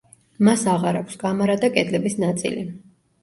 მას აღარ აქვს კამარა და კედლების ნაწილი.